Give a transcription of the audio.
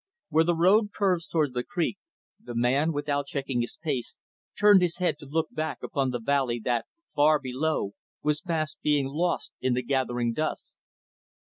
Where the road curves toward the creek, the man, without checking his pace, turned his head to look back upon the valley that, far below, was fast being lost in the gathering dusk.